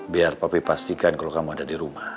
biar papi pastikan kalau kamu ada di rumah